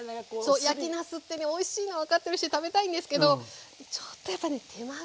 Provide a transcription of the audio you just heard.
そう焼きなすってねおいしいのは分かってるし食べたいんですけどちょっとやっぱね手間が。